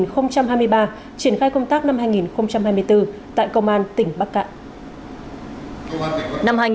công tác năm hai nghìn hai mươi bốn tại công an tỉnh bắc cạn